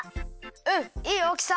うんいいおおきさ！